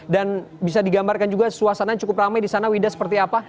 dan bisa digambarkan juga suasana cukup rame di sana wida seperti apa